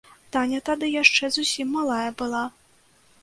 Таня тады яшчэ зусім малая была.